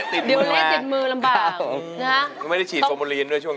สำรวจสำรวจ